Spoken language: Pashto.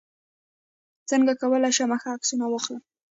څنګه کولی شم ښه عکسونه واخلم